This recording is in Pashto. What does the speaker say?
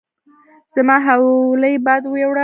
زما حولی باد ويوړه